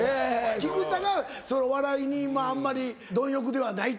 菊田がお笑いにまぁあんまり貪欲ではないという。